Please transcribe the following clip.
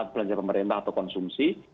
belanja pemerintah atau konsumsi